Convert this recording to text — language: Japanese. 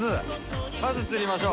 数釣りましょう。